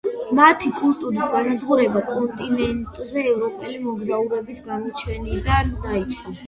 მათი კულტურის განადგურება კონტინენტზე ევროპელი მოგზაურების გამოჩენიდან დაიწყო.